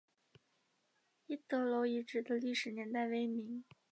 一德楼遗址的历史年代为明。